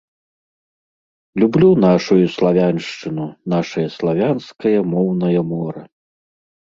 Люблю нашую славяншчыну, нашае славянскае моўнае мора!